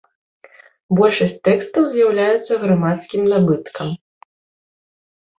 Большасць тэкстаў з'яўляюцца грамадскім набыткам.